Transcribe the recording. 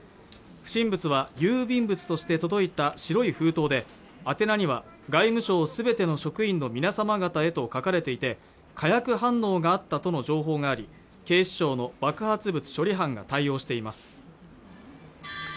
不審物は郵便物として届いた白い封筒で宛名には外務省すべての職員の皆様方へと書かれていて化学反応があったとの情報があり警視庁の爆発物処理班が対応しています